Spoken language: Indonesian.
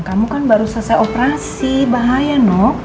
kamu kan baru selesai operasi bahaya no